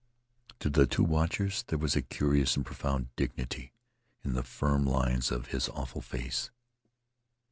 To the two watchers there was a curious and profound dignity in the firm lines of his awful face.